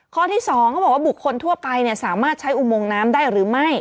ข้อที่๒เขาบอกว่าบุคคลทั่วไปสามารถใช้อุโมงน้ำได้หรือไม่